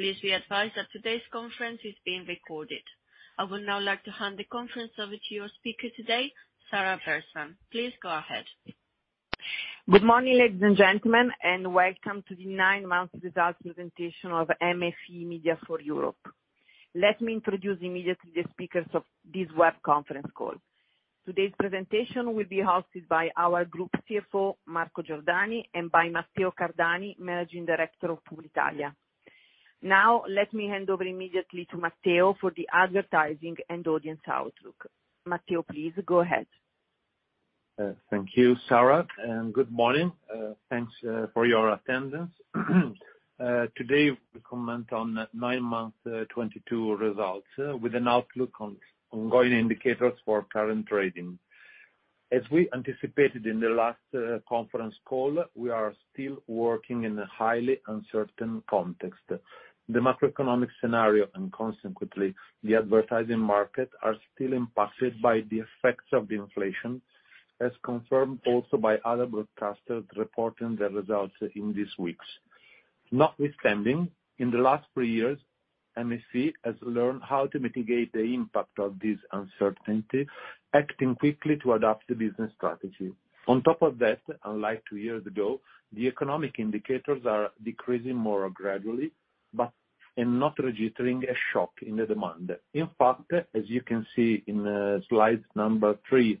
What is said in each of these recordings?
Please be advised that today's conference is being recorded. I would now like to hand the conference over to your speaker today, Sara Bersani. Please go ahead. Good morning, ladies and gentlemen, and welcome to the nine-month results presentation of MFE-MediaForEurope. Let me introduce immediately the speakers of this web conference call. Today's presentation will be hosted by our Group CFO, Marco Giordani, and by Matteo Cardani, Managing Director of Publitalia '80. Now, let me hand over immediately to Matteo for the advertising and audience outlook. Matteo, please go ahead. Thank you, Sara, and good morning. Thanks for your attendance. Today we comment on nine-month 2022 results with an outlook on ongoing indicators for current trading. As we anticipated in the last conference call, we are still working in a highly uncertain context. The macroeconomic scenario and consequently, the advertising market, are still impacted by the effects of the inflation, as confirmed also by other broadcasters reporting their results in these weeks. Notwithstanding, in the last three years, MFE has learned how to mitigate the impact of this uncertainty, acting quickly to adapt the business strategy. On top of that, unlike two years ago, the economic indicators are decreasing more gradually, and not registering a shock in the demand. In fact, as you can see in slides number three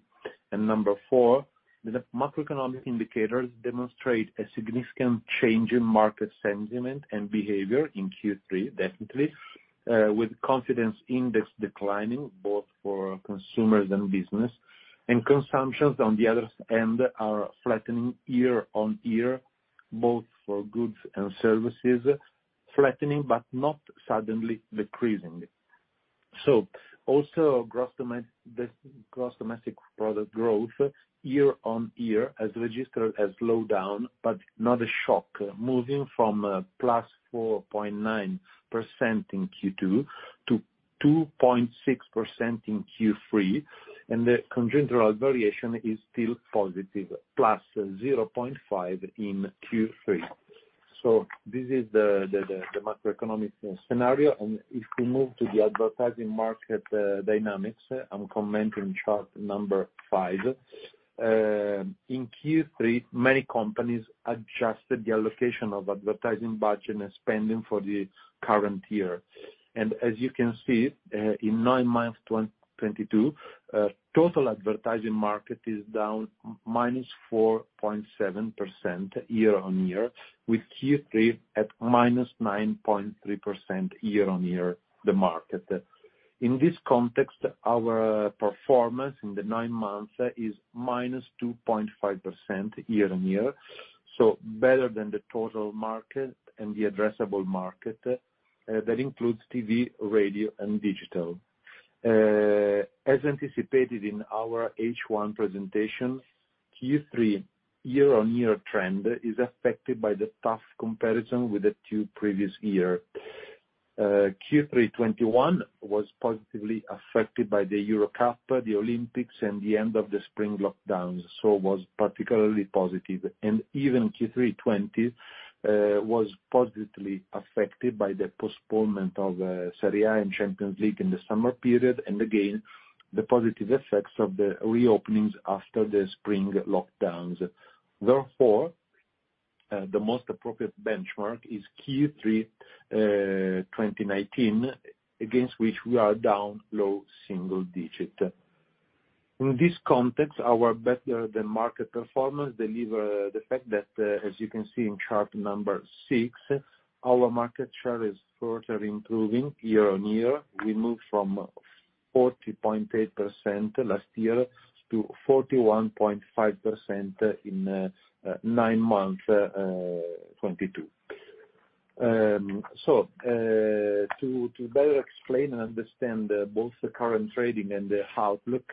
and number four, the macroeconomic indicators demonstrate a significant change in market sentiment and behavior in Q3, definitely, with confidence index declining both for consumers and business. Consumption, on the other end, is flattening year-on-year, both for goods and services. Flattening, but not suddenly decreasing. Also, the gross domestic product growth year-on-year has registered a slowdown, but not a shock, moving from +4.9% in Q2 to 2.6% in Q3, and the congiuntural variation is still positive, +0.5 in Q3. This is the macroeconomic scenario. If we move to the advertising market dynamics, I'm commenting chart number five. In Q3, many companies adjusted the allocation of advertising budget and spending for the current year. As you can see, in nine months 2022, total advertising market is down -4.7% year-on-year, with Q3 at -9.3% year-on-year, the market. In this context, our performance in the nine months is -2.5% year-on-year, so better than the total market and the addressable market, that includes TV, radio and digital. As anticipated in our H1 presentation, Q3 year-on-year trend is affected by the tough comparison with the two previous year. Q3 2021 was positively affected by the Euro 2020, the Olympics and the end of the spring lockdowns, so was particularly positive. Even Q3 2020 was positively affected by the postponement of Serie A and Champions League in the summer period, and again, the positive effects of the reopenings after the spring lockdowns. Therefore, the most appropriate benchmark is Q3 2019, against which we are down low single-digit%. In this context, our better than market performance delivered by the fact that, as you can see in chart number six, our market share is further improving year-on-year. We moved from 40.8% last year to 41.5% in nine months 2022. To better explain and understand both the current trading and the outlook,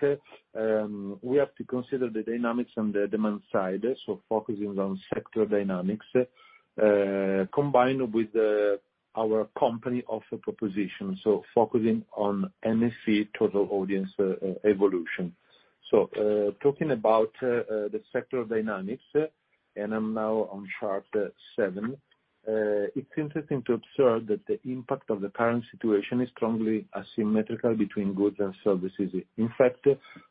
we have to consider the dynamics on the demand side, focusing on sector dynamics combined with our company offer proposition, focusing on MFE total audience evolution. Talking about the sector dynamics, I'm now on chart seven. It's interesting to observe that the impact of the current situation is strongly asymmetrical between goods and services. In fact,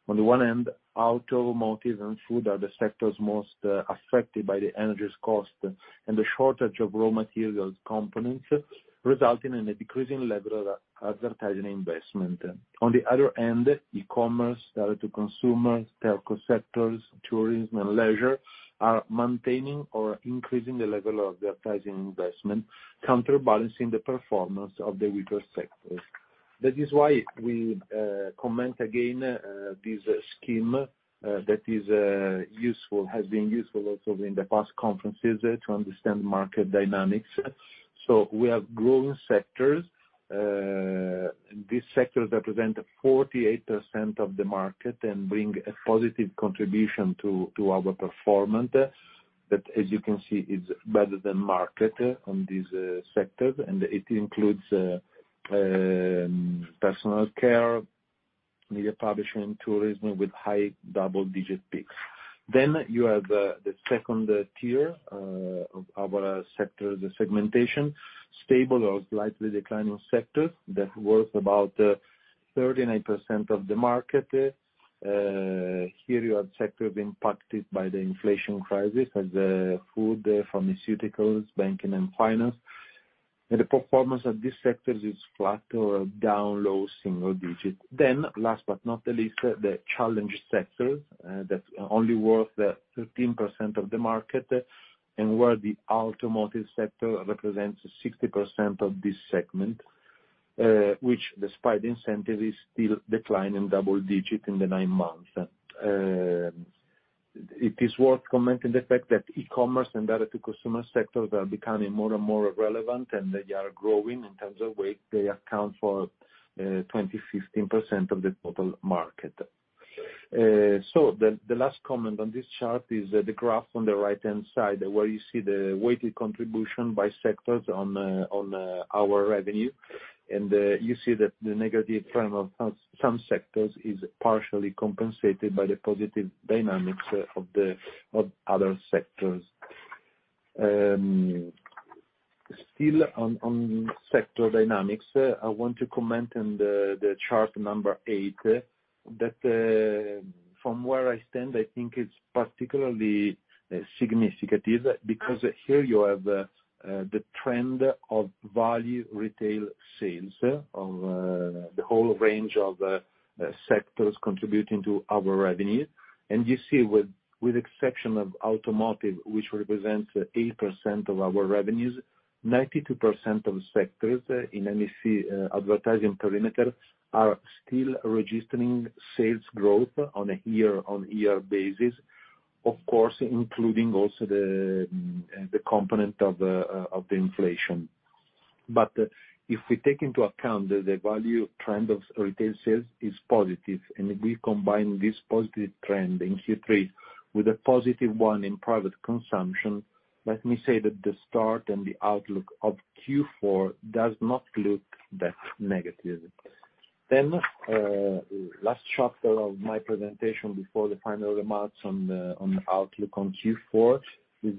on the one end, automotive and food are the sectors most affected by the energy costs and the shortage of raw materials components, resulting in a decreasing level of advertising investment. On the other end, e-commerce, direct to consumer, telco sectors, tourism and leisure are maintaining or increasing the level of advertising investment, counterbalancing the performance of the weaker sectors. That is why we comment again this scheme that is useful, has been useful also in the past conferences to understand market dynamics. We have growing sectors. These sectors represent 48% of the market and bring a positive contribution to our performance. As you can see, it's better than market on these sectors, and it includes personal care, media publishing and tourism with high double digit peaks. You have the second tier of our sector, the segmentation, stable or slightly declining sectors that worth about 39% of the market. Here you have sector being impacted by the inflation crisis as food, pharmaceuticals, banking and finance. The performance of these sectors is flat or down low single digits. Last but not the least, the challenging sector that only worth 13% of the market and where the automotive sector represents 60% of this segment, which despite the incentive is still declining double digits in the nine months. It is worth commenting the fact that e-commerce and direct to consumer sectors are becoming more and more relevant, and they are growing in terms of weight. They account for 25% of the total market. The last comment on this chart is the graph on the right-hand side, where you see the weighted contribution by sectors on our revenue. You see that the negative trend of some sectors is partially compensated by the positive dynamics of other sectors. Still on sector dynamics, I want to comment on the chart number eight, that from where I stand I think it's particularly significant because here you have the trend of value retail sales of the whole range of sectors contributing to our revenue. You see with exception of automotive, which represents 8% of our revenues, 92% of sectors in MFE advertising perimeter are still registering sales growth on a year-on-year basis, of course, including also the component of the inflation. If we take into account the value trend of retail sales is positive, and we combine this positive trend in Q3 with a positive one in private consumption, let me say that the start and the outlook of Q4 does not look that negative. Last chapter of my presentation before the final remarks on the outlook on Q4 is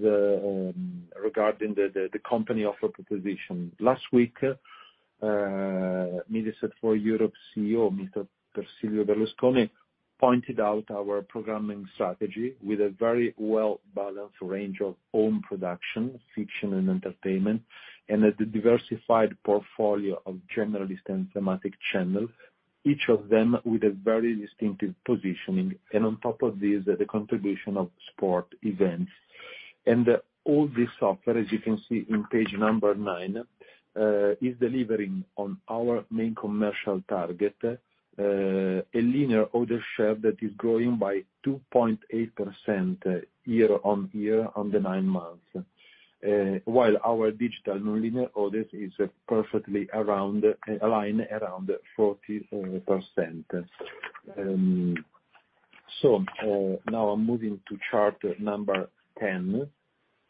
regarding the company's offering proposition. Last week, MFE-MediaForEurope CEO, Mr. Pier Silvio Berlusconi, pointed out our programming strategy with a very well-balanced range of own production, fiction and entertainment, and the diversified portfolio of generalist and thematic channels, each of them with a very distinctive positioning. On top of this, the contribution of sport events. All this offering, as you can see on page number nine, is delivering on our main commercial target, a linear order share that is growing by 2.8% year-on-year over the nine months, while our digital non-linear order is perfectly aligned around 40%. Now I'm moving to chart number 10.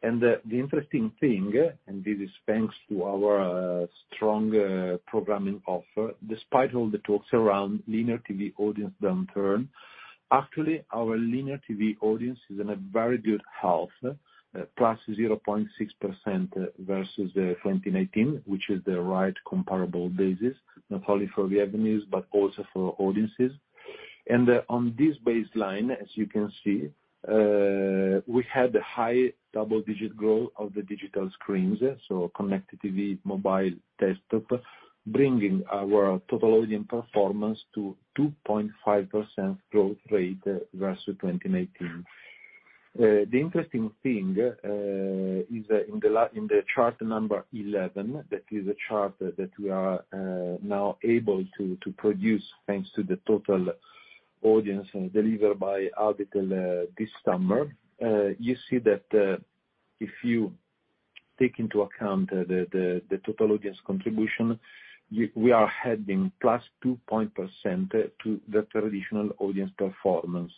The interesting thing, and this is thanks to our strong programming offer, despite all the talks around linear TV audience downturn, actually our linear TV audience is in a very good health, +0.6% versus 2019, which is the right comparable basis, not only for the revenues but also for audiences. On this baseline, as you can see, we had a high double-digit growth of the digital screens, so connected TV, mobile, desktop, bringing our total audience performance to 2.5% growth rate versus 2019. The interesting thing is in the chart number 11, that is a chart that we are now able to produce thanks to the total audience delivered by Auditel, this summer. You see that if you take into account the total audience contribution, we are adding +2% to the traditional audience performance.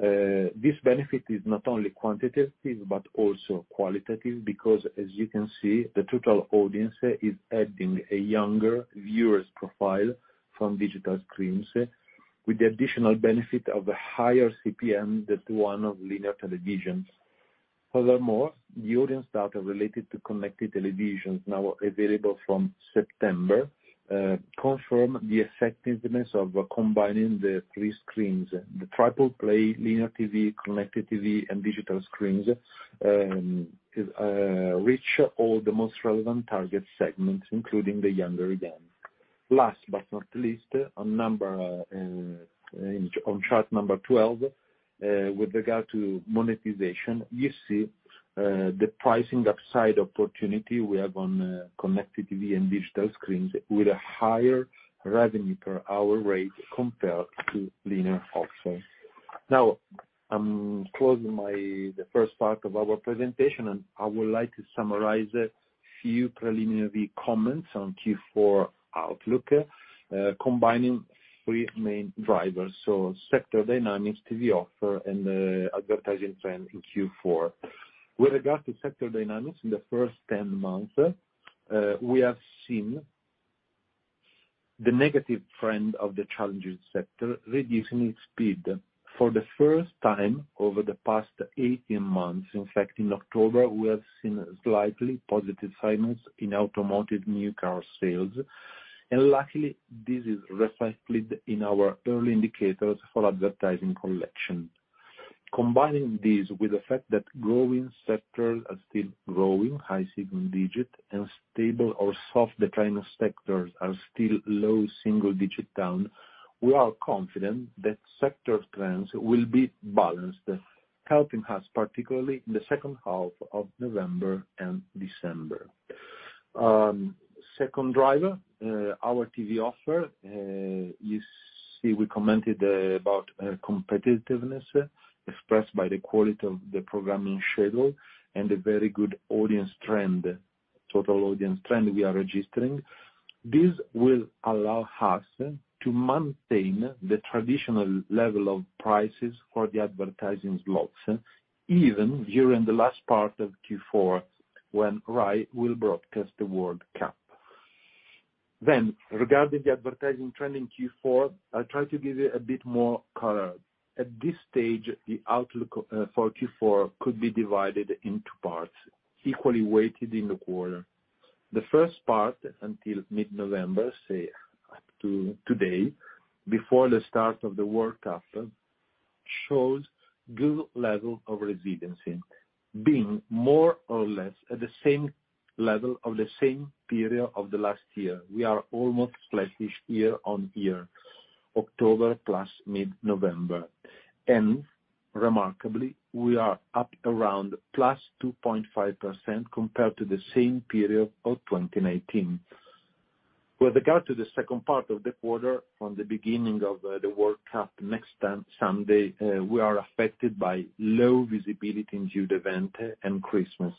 This benefit is not only quantitative, but also qualitative because as you can see, the total audience is adding a younger viewers profile from digital screens with the additional benefit of a higher CPM than that of linear televisions. Furthermore, the audience data related to connected televisions now available from September confirm the effectiveness of combining the three screens, the triple play linear TV, connected TV and digital screens reach all the most relevant target segments, including the younger again. Last but not least, on chart number 12, with regard to monetization, you see the pricing upside opportunity we have on connected TV and digital screens with a higher revenue per hour rate compared to linear also. Now, I'm closing the first part of our presentation, and I would like to summarize a few preliminary comments on Q4 outlook, combining three main drivers, so sector dynamics, TV offer, and advertising trend in Q4. With regards to sector dynamics in the first 10 months, we have seen the negative trend of the challenging sector reducing its speed for the first time over the past 18 months. In fact, in October, we have seen slightly positive signals in automotive new car sales. Luckily, this is recycled in our early indicators for advertising collection. Combining this with the fact that growing sectors are still growing high single-digit and stable or soft declining sectors are still low single-digit down, we are confident that sector trends will be balanced, helping us particularly in the second half of November and December. Second driver, our TV offer, you see we commented about, competitiveness expressed by the quality of the programming schedule and the very good audience trend, total audience trend we are registering. This will allow us to maintain the traditional level of prices for the advertising blocks, even during the last part of Q4 when RAI will broadcast the World Cup. Regarding the advertising trend in Q4, I'll try to give you a bit more color. At this stage, the outlook for Q4 could be divided in two parts, equally weighted in the quarter. The first part, until mid-November, say up to today, before the start of the World Cup, shows good level of resiliency, being more or less at the same level of the same period of the last year. We are almost flatish year-over-year, October plus mid-November. Remarkably, we are up around +2.5% compared to the same period of 2019. With regard to the second part of the quarter, from the beginning of the World Cup next Sunday, we are affected by low visibility in and Christmas.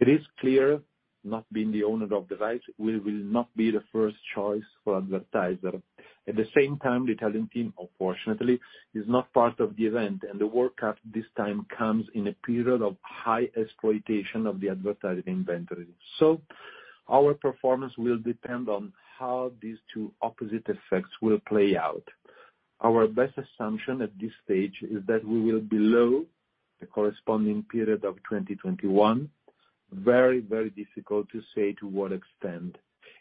It is clear, not being the owner of the rights, we will not be the first choice for advertiser. At the same time, the Italian team, unfortunately, is not part of the event and the World Cup this time comes in a period of high exploitation of the advertising inventory. Our performance will depend on how these two opposite effects will play out. Our best assumption at this stage is that we will be below the corresponding period of 2021. Very, very difficult to say to what extent.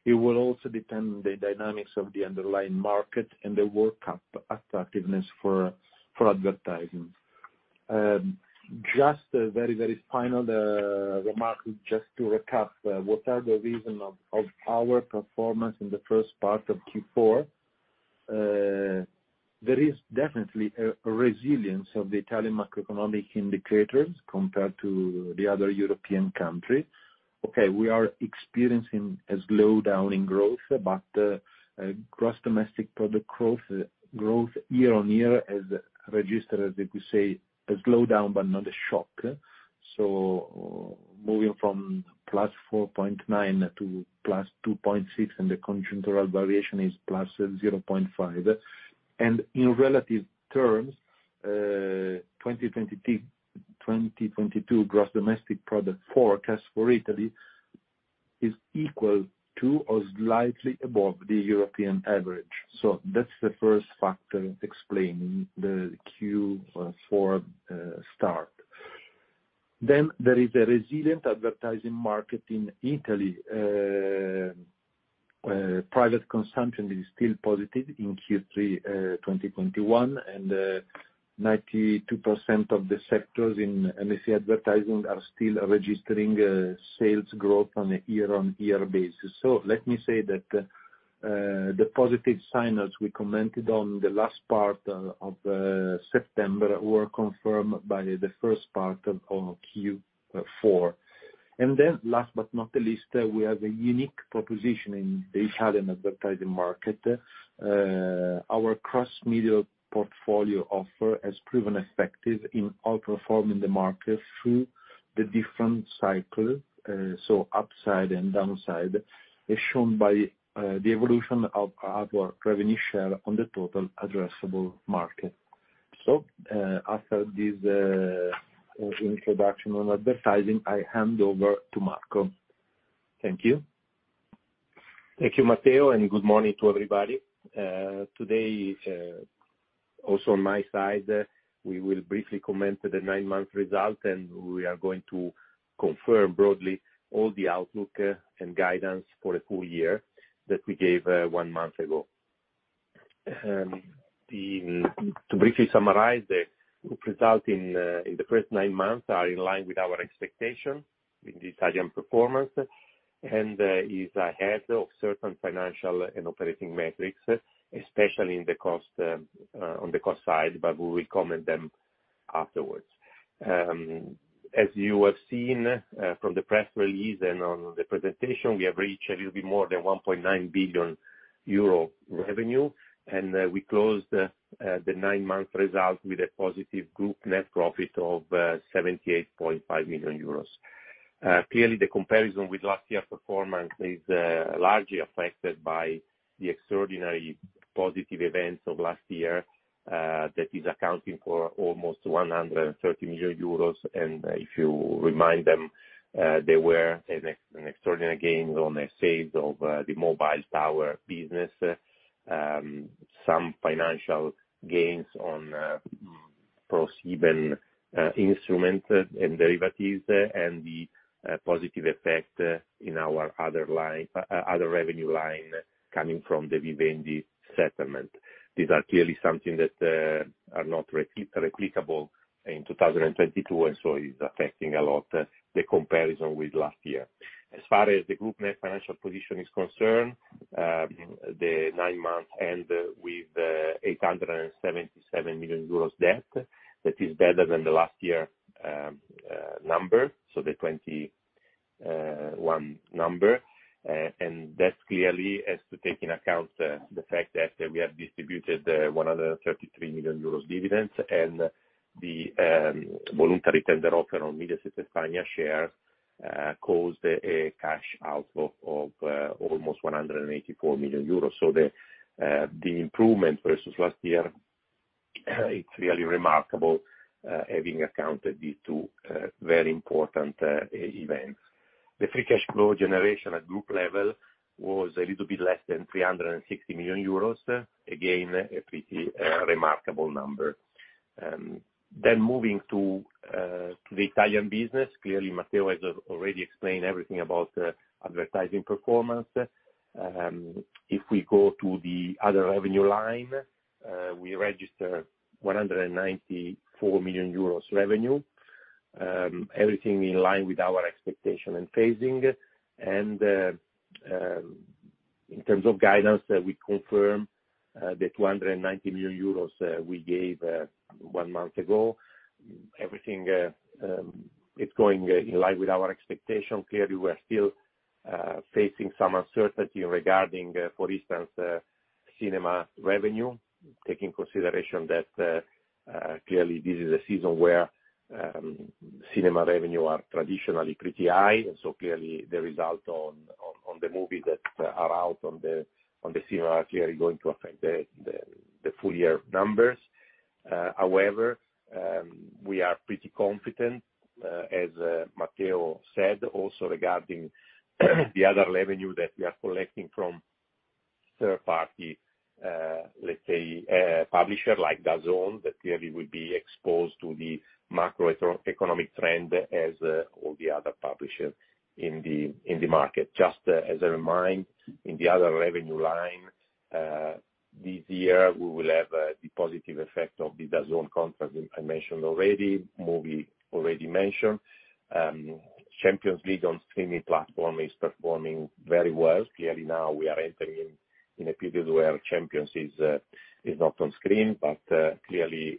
It will also depend on the dynamics of the underlying market and the World Cup attractiveness for advertising. Just a very, very final remark, just to recap, what are the reasons of our performance in the first part of Q4. There is definitely a resilience of the Italian macroeconomic indicators compared to the other European countries. We are experiencing a slowdown in growth, but gross domestic product growth year-on-year has registered, as we say, a slowdown but not a shock. Moving from +4.9 to +2.6, and the conjuncture variation is +0.5. In relative terms, 2022 gross domestic product forecast for Italy is equal to or slightly above the European average. That's the first factor explaining the Q4 start. There is a resilient advertising market in Italy. Private consumption is still positive in Q3 2021, and 92% of the sectors in MSC advertising are still registering sales growth on a year-on-year basis. Let me say that the positive signals we commented on the last part of September were confirmed by the first part of Q4. Last but not least, we have a unique proposition in the Italian advertising market. Our cross-media portfolio offer has proven effective in outperforming the market through the different cycle, so upside and downside, as shown by the evolution of our revenue share on the total addressable market. After this introduction on advertising, I hand over to Marco. Thank you. Thank you, Matteo, and good morning to everybody. Today, also on my side, we will briefly comment the nine-month result, and we are going to confirm broadly all the outlook, and guidance for the full year that we gave, one month ago. To briefly summarize, the result in the first nine months are in line with our expectation in the Italian performance and, is ahead of certain financial and operating metrics, especially in the cost, on the cost side, but we will comment them afterwards. As you have seen, from the press release and on the presentation, we have reached a little bit more than 1.9 billion euro revenue, and we closed the nine-month result with a positive group net profit of 78.5 million euros. Clearly the comparison with last year's performance is largely affected by the extraordinary positive events of last year that is accounting for almost 130 million euros. If you remind them, they were an extraordinary gain on the sales of the Mediamond business. Some financial gains on proceeding instrument and derivatives, and the positive effect in our other revenue line coming from the Vivendi settlement. These are clearly something that are not replicable in 2022, and so it's affecting a lot the comparison with last year. As far as the group net financial position is concerned, the nine months end with 877 million euros debt. That is better than the last year number, so the 2021 number. That clearly has to take into account the fact that we have distributed 133 million euros dividends and the voluntary tender offer on Mediaset España shares caused a cash outflow of almost 184 million euros. The improvement versus last year is really remarkable having accounted for these two very important events. The free cash flow generation at group level was a little bit less than 360 million euros. Again, a pretty remarkable number. Moving to the Italian business, clearly Matteo has already explained everything about advertising performance. If we go to the other revenue line, we register 194 million euros revenue. Everything in line with our expectation and phasing. In terms of guidance, we confirm the 290 million euros we gave one month ago. Everything is going in line with our expectation. Clearly we are still facing some uncertainty regarding, for instance, cinema revenue. Take into consideration that, clearly this is a season where cinema revenue are traditionally pretty high. Clearly the result on the movies that are out on the cinema are clearly going to affect the full year numbers. However, we are pretty confident, as Matteo said, also regarding the other revenue that we are collecting from third-party, let's say, publisher like DAZN, that clearly will be exposed to the macroeconomic trend as all the other publishers in the market. Just as a reminder, in the other revenue line, this year we will have the positive effect of the DAZN contract, as I mentioned already. Champions League on streaming platform is performing very well. Clearly now we are entering in a period where Champions is not on screen, but clearly,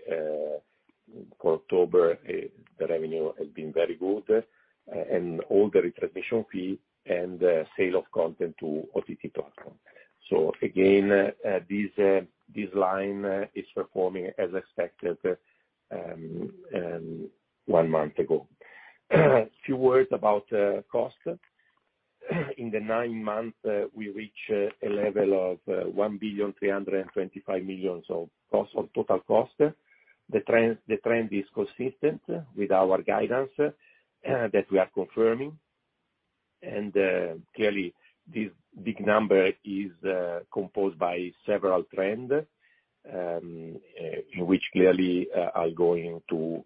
for October, the revenue has been very good. All the retransmission fee and sale of content to OTT platform. Again, this line is performing as expected one month ago. Few words about cost. In the nine months, we reach a level of 1,325 million of cost, of total cost. The trend is consistent with our guidance that we are confirming. Clearly this big number is composed by several trend in which clearly I'm going to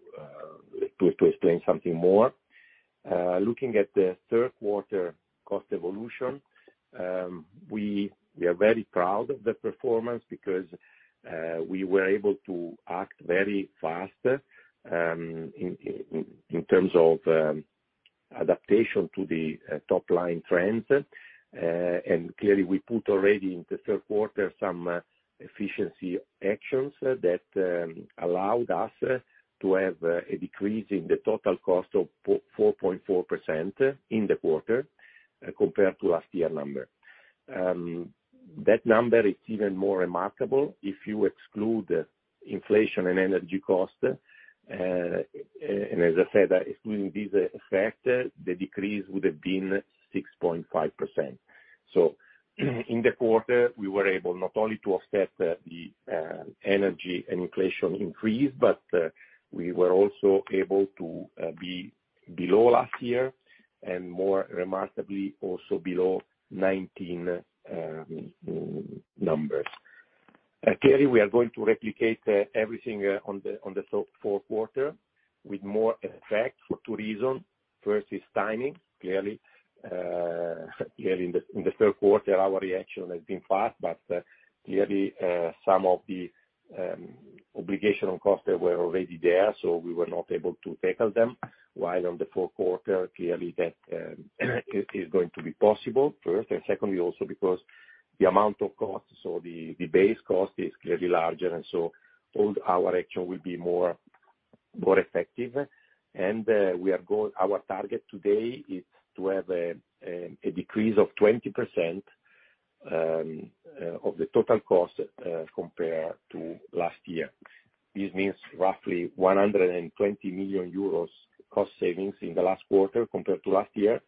explain something more. Looking at the Q3 cost evolution, we are very proud of the performance because we were able to act very fast in terms of adaptation to the top line trends. Clearly we put already in the Q3 some efficiency actions that allowed us to have a decrease in the total cost of 4.4% in the quarter compared to last year number. That number is even more remarkable if you exclude inflation and energy costs. As I said, excluding these factors, the decrease would have been 6.5%. In the quarter, we were able not only to offset the energy and inflation increase, but we were also able to be below last year, and more remarkably, also below 2019 numbers. Clearly we are going to replicate everything on the Q4 with more effect for two reasons. First is timing, clearly. Clearly in the Q3 our reaction has been fast, but clearly some of the obligational costs were already there, so we were not able to tackle them. While on the Q4, clearly that is going to be possible, first. Secondly, also because the amount of costs or the base cost is clearly larger, and so all our action will be more effective. Our target today is to have a decrease of 20% of the total cost compared to last year. This means roughly 120 million euros cost savings in the last quarter compared to last year.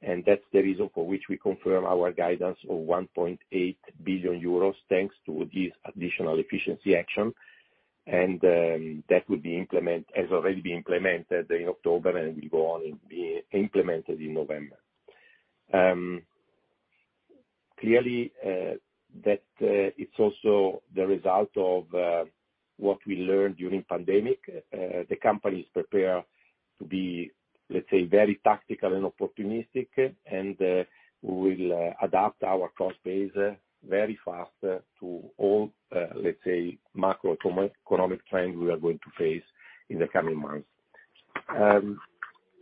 That's the reason for which we confirm our guidance of 1.8 billion euros thanks to these additional efficiency action. That has already been implemented in October and will go on and be implemented in November. Clearly, that it's also the result of what we learned during pandemic. The company is prepared to be, let's say, very tactical and opportunistic, and we will adapt our cost base very fast to all, let's say, macroeconomic trends we are going to face in the coming months.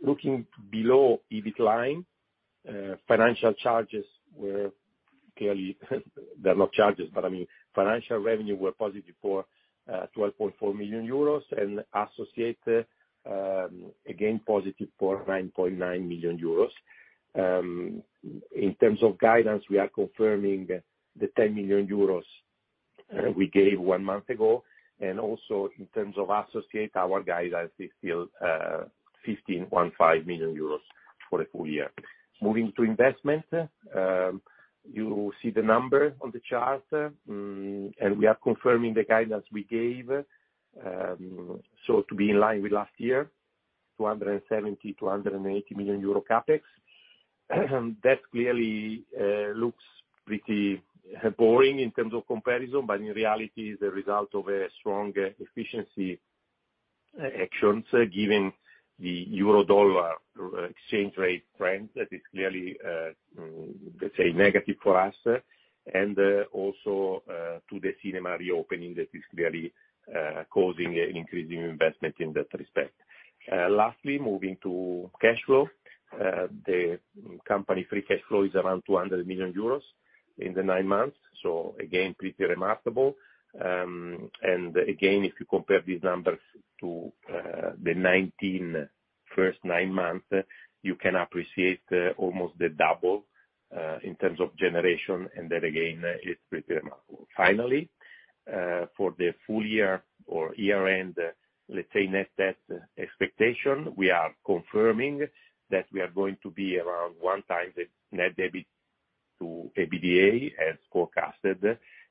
Looking below EBIT line, financial charges were clearly they're not charges, but I mean, financial revenue were positive for 12.4 million euros and associates again positive for 9.9 million euros. In terms of guidance, we are confirming the 10 million euros we gave one month ago. Also in terms of associate, our guidance is still 151.5 million euros for the full year. Moving to investment, you see the number on the chart, and we are confirming the guidance we gave, so to be in line with last year, 270 million-280 million euro CapEx. That clearly looks pretty boring in terms of comparison, but in reality is a result of a strong efficiency actions, given the euro dollar exchange rate trend that is clearly, let's say, negative for us, and also to the cinema reopening that is clearly causing an increase in investment in that respect. Lastly, moving to cash flow. The company free cash flow is around 200 million euros in the nine months. Again, pretty remarkable. Again, if you compare these numbers to the first nine months, you can appreciate almost double in terms of generation, and that again is pretty remarkable. Finally, for the full year or year-end, let's say net debt expectation, we are confirming that we are going to be around one time net debt to EBITDA as forecasted.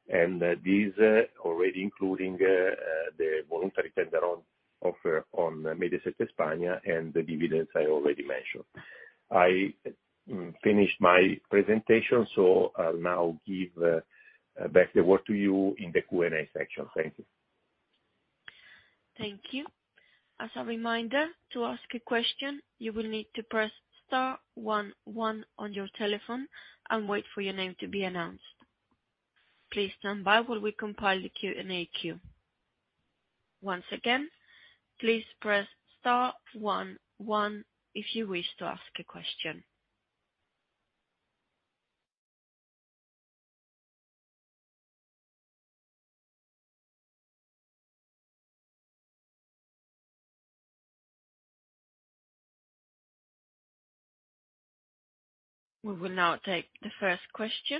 This already including the voluntary tender offer on Mediaset España and the dividends I already mentioned. I finish my presentation, so I'll now give back the word to you in the Q&A section. Thank you. Thank you. As a reminder, to ask a question, you will need to press star 11 on your telephone and wait for your name to be announced. Please stand by while we compile the Q&A queue. Once again, please press star 11 if you wish to ask a question. We will now take the first question.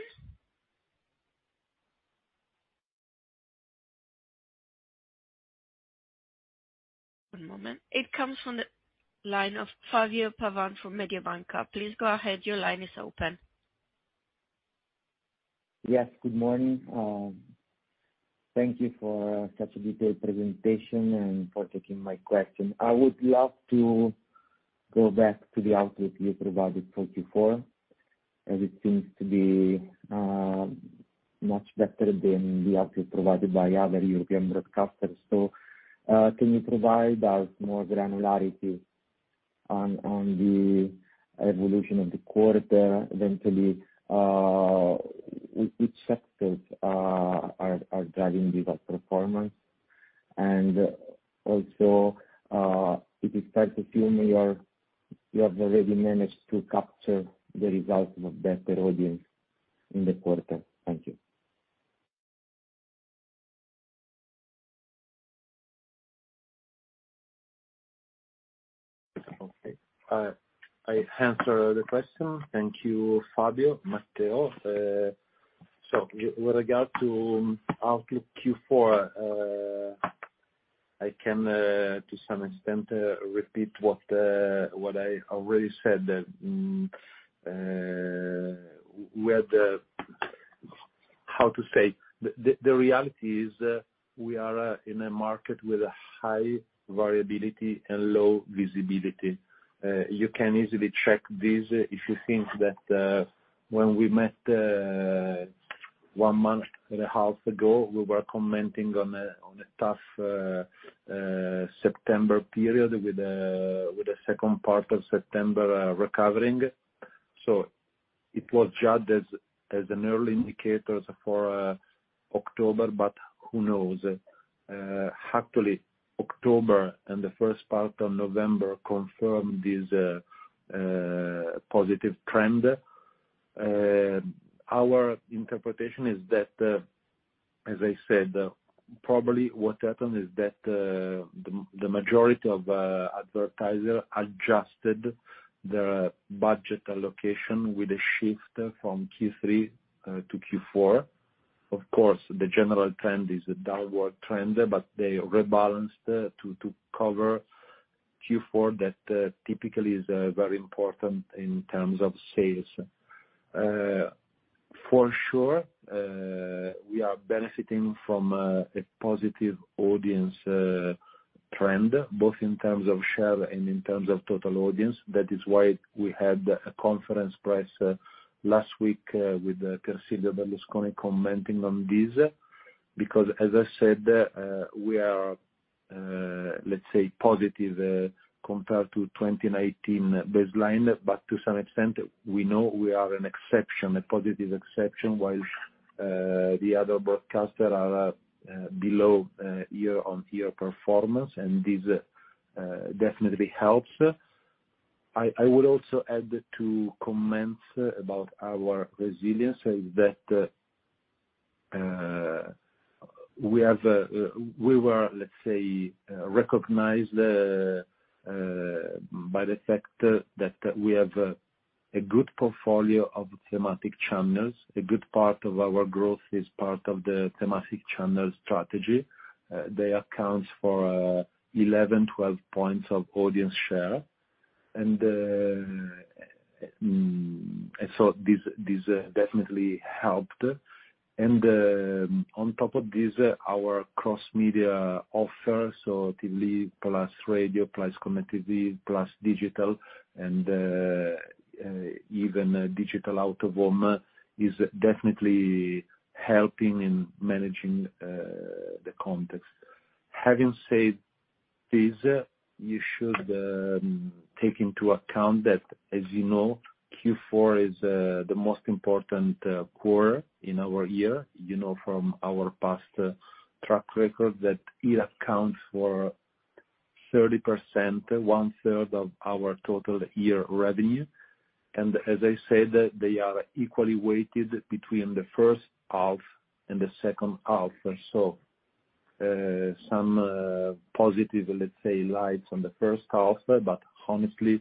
One moment. It comes from the line of Fabio Pavan from Mediobanca. Please go ahead. Your line is open. Yes, good morning. Thank you for such a detailed presentation and for taking my question. I would love to go back to the outlook you provided for Q4, as it seems to be much better than the outlook provided by other European broadcasters. Can you provide us more granularity on the evolution of the quarter? Eventually, which sectors are driving this outperformance? And also, to the extent you feel you have already managed to capture the results of a better audience in the quarter. Thank you. Okay. I answer the question. Thank you, Fabio. Matteo. With regard to outlook Q4, I can, to some extent, repeat what I already said. That, the reality is, we are in a market with a high variability and low visibility. You can easily check this if you think that, when we met, one month and a half ago, we were commenting on a tough September period with the second part of September recovering. It was judged as an early indicators for October, but who knows? Actually, October and the first part of November confirmed this positive trend. Our interpretation is that, As I said, probably what happened is that the majority of advertisers adjusted their budget allocation with a shift from Q3 to Q4. Of course, the general trend is a downward trend, but they rebalanced to cover Q4 that typically is very important in terms of sales. For sure, we are benefiting from a positive audience trend, both in terms of share and in terms of total audience. That is why we had a press conference last week with Pier Silvio Berlusconi commenting on this. Because as I said, we are, let's say, positive compared to 2019 baseline. To some extent, we know we are an exception, a positive exception, while the other broadcasters are below year-on-year performance, and this definitely helps. I would also add to comments about our resilience is that we were, let's say, recognized by the fact that we have a good portfolio of thematic channels. A good part of our growth is part of the thematic channel strategy. They account for 11-12 points of audience share. So this definitely helped. On top of this, our cross-media offer, so TV plus radio plus connectivity plus digital and even digital out of home is definitely helping in managing the context. Having said this, you should take into account that, as you know, Q4 is the most important quarter in our year. You know from our past track record that it accounts for 30%, one-third of our total year revenue. As I said, they are equally weighted between the first half and the second half. Some positive, let's say, lights on the first half, but honestly,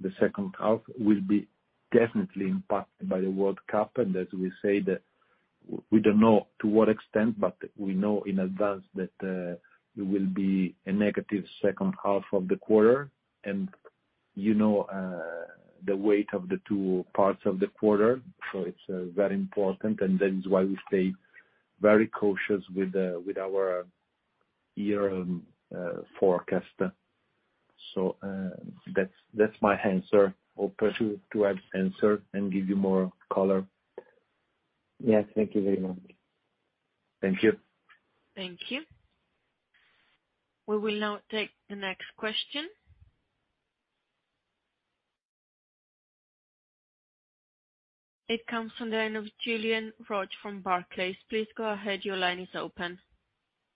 the second half will be definitely impacted by the World Cup. As we said, we don't know to what extent, but we know in advance that it will be a negative second half of the quarter. You know the weight of the two parts of the quarter, so it's very important, and that is why we stay very cautious with our year forecast. That's my answer. Hope to have answered and give you more color. Yes. Thank you very much. Thank you. Thank you. We will now take the next question. It comes from the line of Julien Roch from Barclays. Please go ahead. Your line is open.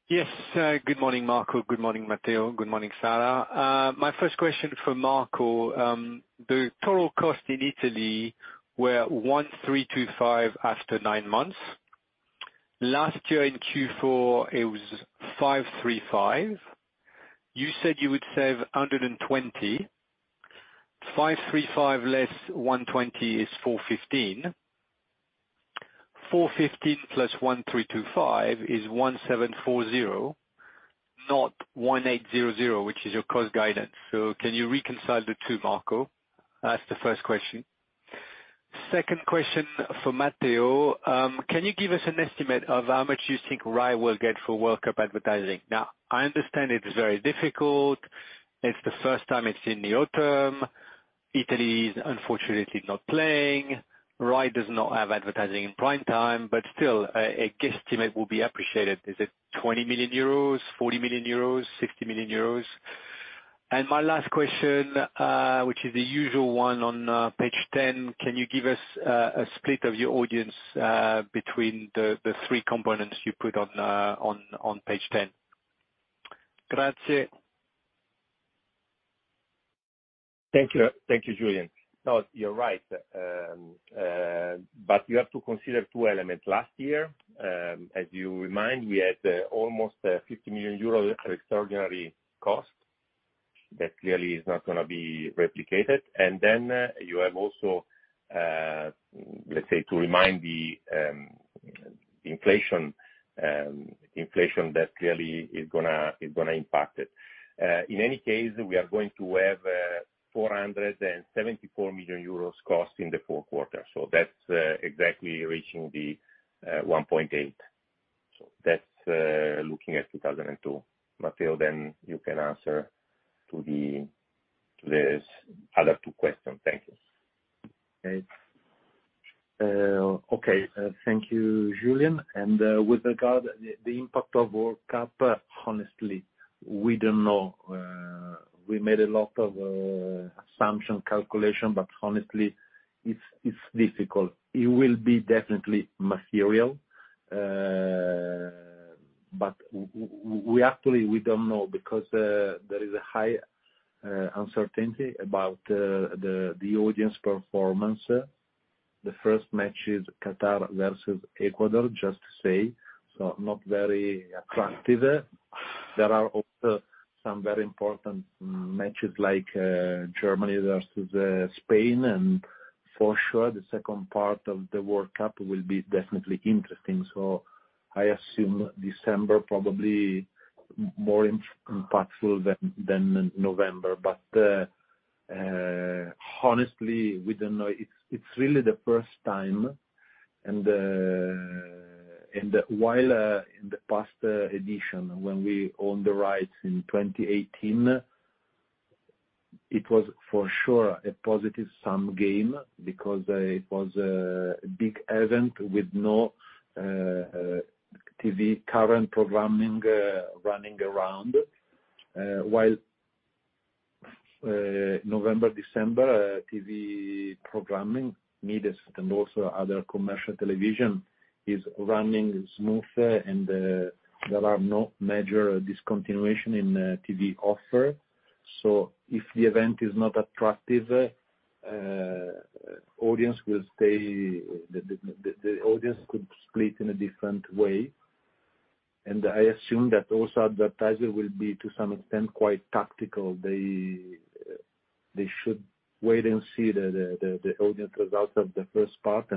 Yes. Good morning, Marco. Good morning, Matteo. Good morning, Sara. My first question for Marco. The total cost in Italy were 1,325 after nine months. Last year in Q4, it was 535. You said you would save 120. 535 less 120 is 415. 415 plus 1,325 is 1,740, not 1,800, which is your cost guidance. Can you reconcile the two, Marco? That's the first question. Second question for Matteo. Can you give us an estimate of how much you think RAI will get for World Cup advertising? Now, I understand it is very difficult. It's the first time it's in the autumn. Italy is unfortunately not playing. RAI does not have advertising in prime time, but still, a guesstimate will be appreciated. Is it 20 million euros, 40 million euros, 60 million euros? My last question, which is the usual one on page ten, can you give us a split of your audience between the three components you put on page ten? Grazie. Thank you. Thank you, Julien. No, you're right. But you have to consider two elements. Last year, as you remind, we had almost 50 million euros extraordinary cost. That clearly is not gonna be replicated. Then you have also, let's say, to remind the inflation that clearly is gonna impact it. In any case, we are going to have 474 million euros cost in the Q4. That's exactly reaching the 1.8. That's looking at 2022. Matteo, then you can answer to these other two questions. Thank you. Okay. Thank you, Julien. With regard to the impact of World Cup, honestly, we don't know. We made a lot of assumptions calculations, but honestly, it's difficult. It will be definitely material. We actually don't know because there is a high uncertainty about the audience performance. The first match is Qatar versus Ecuador, just to say, so not very attractive. There are also some very important matches like Germany versus Spain, and for sure the second part of the World Cup will be definitely interesting. I assume December probably more impactful than November. Honestly, we don't know. It's really the first time and while in the past edition, when we owned the rights in 2018, it was for sure a positive sum game because it was a big event with no concurrent TV programming running around. While November, December TV programming needs and also other commercial television is running smooth and there are no major discontinuation in TV offer. If the event is not attractive, audience will stay. The audience could split in a different way. I assume that also advertisers will be to some extent quite tactical. They should wait and see the audience results of the first part,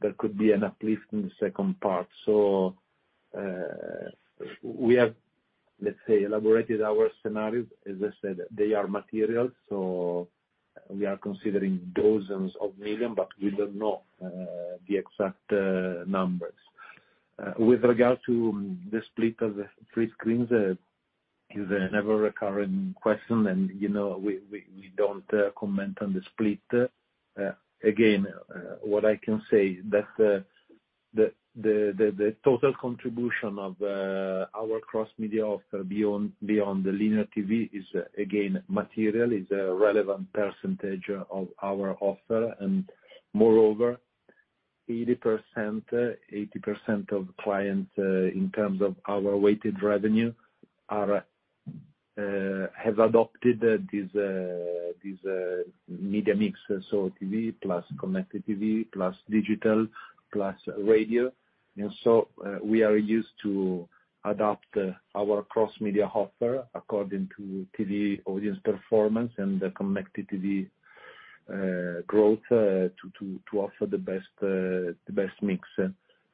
and there could be an uplift in the second part. We have, let's say, elaborated our scenarios. As I said, they are material, so we are considering dozens of millions EUR, but we don't know the exact numbers. With regard to the split of the three screens is an ever-recurring question, and you know, we don't comment on the split. Again, what I can say that the total contribution of our cross-media offer beyond the linear TV is again material. It's a relevant percentage of our offer. Moreover, 80% of clients in terms of our weighted revenue have adopted this media mix, so TV plus connected TV plus digital plus radio. We are used to adapt our cross-media offer according to TV audience performance and the connected TV growth to offer the best mix.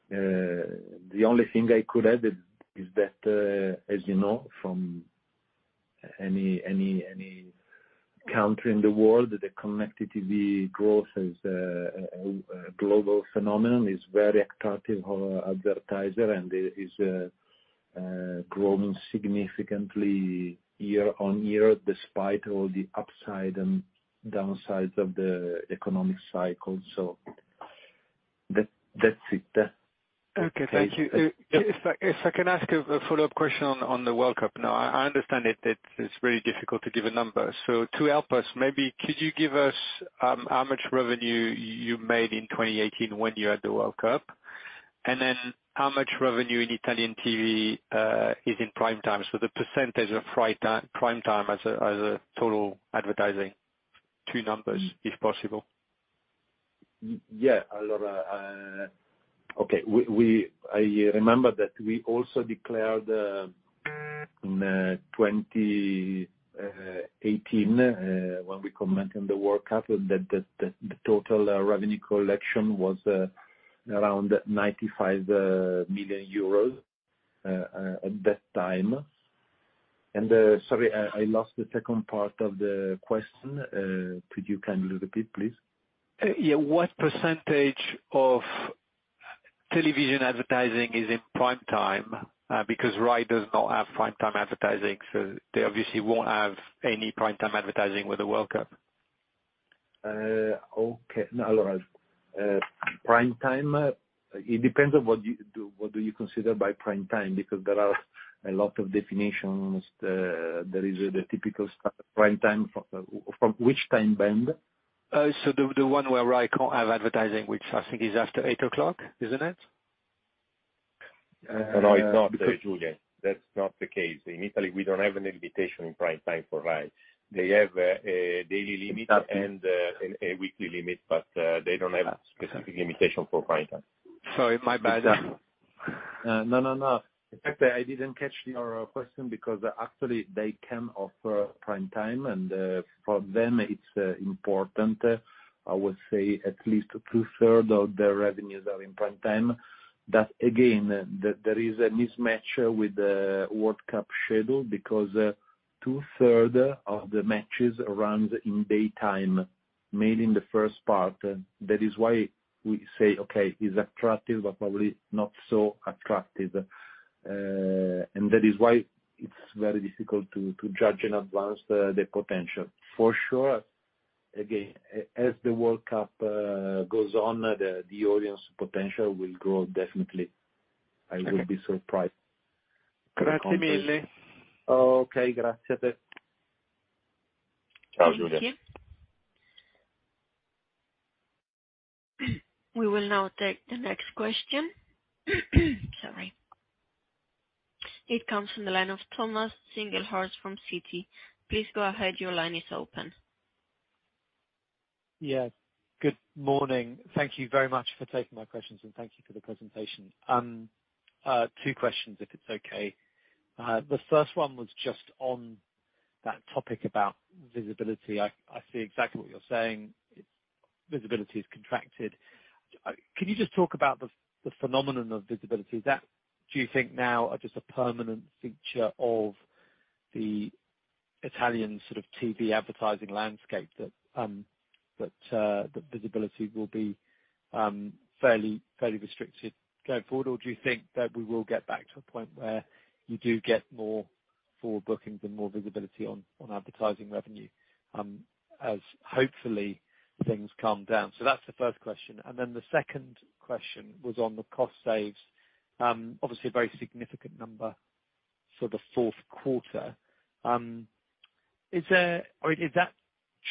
The only thing I could add is that, as you know, from any country in the world, the connected TV growth is a global phenomenon, is very attractive for advertiser, and it is growing significantly year on year, despite all the upside and downsides of the economic cycle. That's it. Okay. Thank you. Yeah. If I can ask a follow-up question on the World Cup. Now, I understand it's very difficult to give a number. To help us, maybe could you give us how much revenue you made in 2018 when you had the World Cup? Then how much revenue in Italian TV is in prime time? The percentage of prime time as a total advertising. Two numbers, if possible. Yeah. A lot. Okay. I remember that we also declared in 2018 when we commented the World Cup that the total revenue collection was around 95 million euros at that time. Sorry, I lost the second part of the question. Could you kindly repeat, please? Yeah. What percentage of television advertising is in prime time? Because RAI does not have prime time advertising, so they obviously won't have any prime time advertising with the World Cup. Okay. No, all right. Prime time, it depends on what you do, what do you consider by prime time, because there are a lot of definitions. There is the typical prime time. From which time band? The one where RAI can't have advertising, which I think is after eight o'clock, isn't it? No, it's not, Julien. That's not the case. In Italy, we don't have any limitation in prime time for RAI. They have a daily limit. Okay. A weekly limit, but they don't have specific limitation for prime time. Sorry, my bad. No, no. In fact, I didn't catch your question because actually they can offer prime time, and for them it's important. I would say at least two-thirds of their revenues are in prime time. Again, there is a mismatch with the World Cup schedule because two-thirds of the matches runs in daytime, mainly in the first part. That is why we say, okay, it's attractive but probably not so attractive. That is why it's very difficult to judge in advance the potential. For sure, again, as the World Cup goes on, the audience potential will grow definitely. Okay. I will be surprised. Okay. Thank you. We will now take the next question. Sorry. It comes from the line of Thomas Singlehurst from Citi. Please go ahead. Your line is open. Yes. Good morning. Thank you very much for taking my questions, and thank you for the presentation. Two questions, if it's okay. The first one was just on that topic about visibility. I see exactly what you're saying. It's visibility is contracted. Can you just talk about the phenomenon of visibility? Is that, do you think now, are just a permanent feature of the Italian sort of TV advertising landscape that that visibility will be fairly restricted going forward? Or do you think that we will get back to a point where you do get more forward bookings and more visibility on advertising revenue, as hopefully things calm down? That's the first question. The second question was on the cost saves. Obviously a very significant number for the Q4. I mean, is that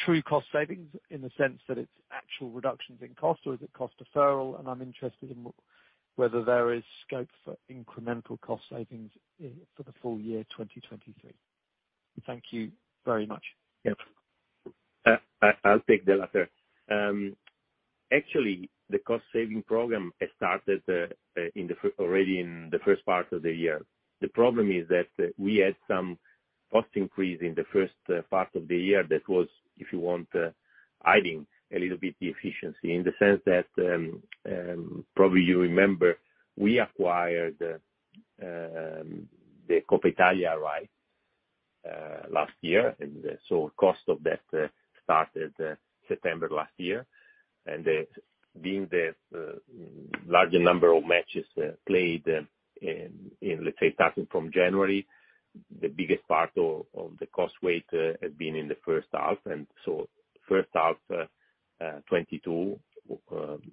true cost savings in the sense that it's actual reductions in cost, or is it cost deferral? I'm interested in whether there is scope for incremental cost savings for the full year 2023. Thank you very much. Yes. I'll take the latter. Actually, the cost saving program has started already in the first part of the year. The problem is that we had some cost increase in the first part of the year that was, if you want, hiding a little bit the efficiency in the sense that probably you remember, we acquired the Coppa Italia right last year. Cost of that started September last year. Being the larger number of matches played in, let's say starting from January, the biggest part of the cost weight has been in the first half. First half 2022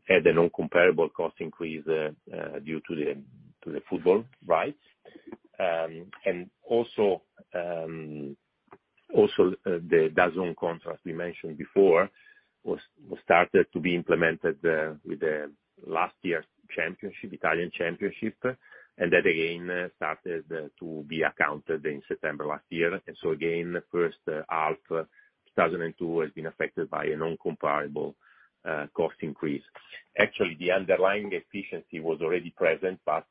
had a non-comparable cost increase due to the football rights. the DAZN contract we mentioned before was started to be implemented with the last year's championship, Italian championship, and that again started to be accounted in September last year. first half 2002 has been affected by a non-comparable cost increase. Actually, the underlying efficiency was already present, but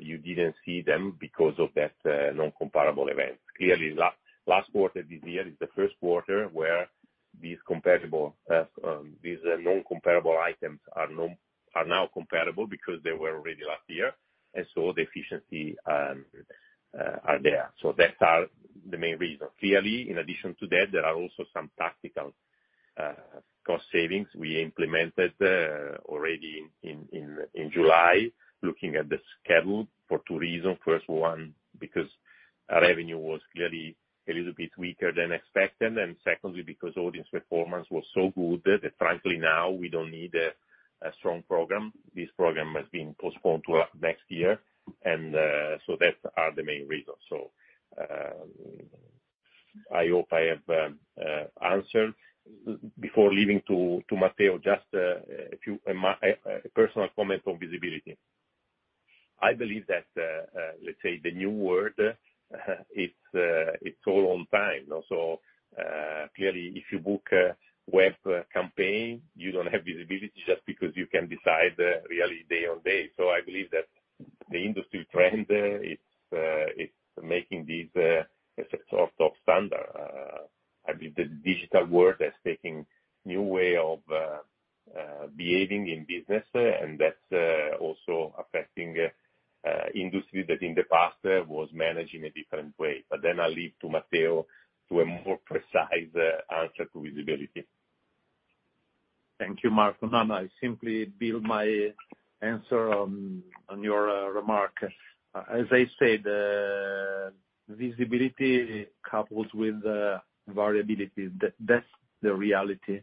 you didn't see them because of that non-comparable event. Clearly, last quarter this year is the Q1 where these non-comparable items are now comparable because they were already last year, and the efficiency are there. that are the main reason. Clearly, in addition to that, there are also some tactical cost savings we implemented already in July, looking at the schedule for two reasons. First one, because our revenue was clearly a little bit weaker than expected, and secondly, because audience performance was so good that frankly now we don't need a strong program. This program has been postponed to next year. That are the main reasons. I hope I have answered. Before leaving to Matteo, just a personal comment on visibility. I believe that, let's say the new world, it's all on time, you know. Clearly, if you book a web campaign, you don't have visibility just because you can decide really day on day. I believe that the industry trend, it's making these as a sort of standard. I believe the digital world is taking new way of behaving in business, and that's also affecting industry that in the past was managing a different way. I'll leave to Matteo to a more precise answer to visibility. Thank you, Marco. Now, I simply build my answer on your remark. As I said, visibility couples with variability, that's the reality.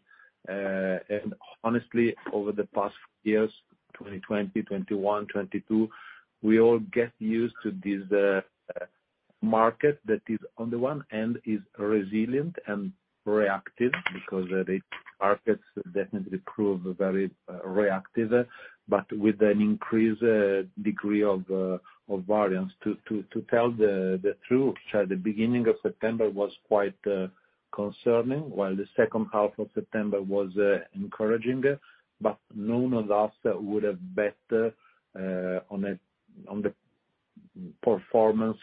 Honestly, over the past years, 2020, 2021, 2022, we all get used to this market that, on the one end, is resilient and reactive because the markets definitely prove very reactive, but with an increased degree of variance. To tell the truth, the beginning of September was quite concerning, while the second half of September was encouraging. None of us would have bet on the performance